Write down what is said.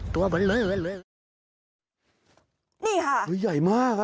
ตัวใหญ่มาก